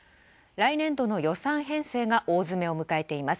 来年度の予算編成が大詰めを迎えています。